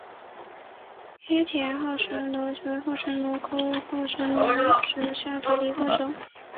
黑田厚唇螺为厚唇螺科厚唇螺属下的一个种。